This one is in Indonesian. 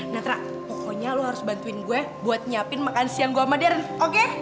natra pokoknya lo harus bantuin gue buat nyiapin makan siang gue sama darren oke